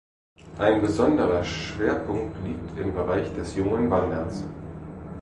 Ein besonderer Schwerpunkt liegt im Bereich des „Jungen Wanderns“.